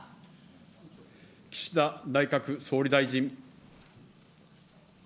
岸田内閣総理大臣。